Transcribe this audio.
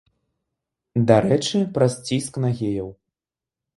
Дарэчы, праз ціск на геяў.